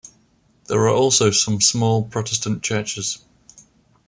There are also some small Protestant Churches.